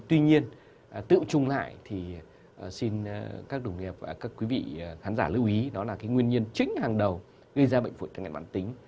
tuy nhiên tự trung lại thì xin các đồng nghiệp và các quý vị khán giả lưu ý đó là cái nguyên nhân chính hàng đầu gây ra bệnh phổi tắc nghẹn mãn tính